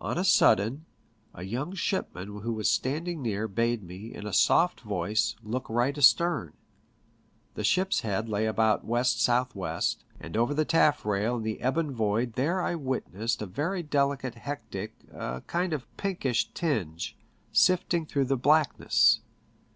On a sudden, a young midshipman who was standing near bade me, in a soft voice, look right astern. The ship's head lay about west south west, and over the taffrail in the ebon void there I witnessed a very delicate hectic, a kind of pinkish tinge, sifting through the black ness.